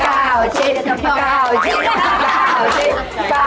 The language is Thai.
อะไรมั้ยครับ